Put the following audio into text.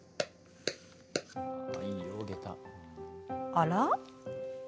あら？